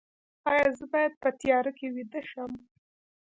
ایا زه باید په تیاره کې ویده شم؟